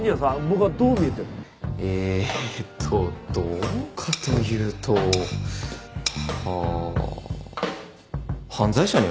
えーっとどうかというと。は犯罪者には見えません。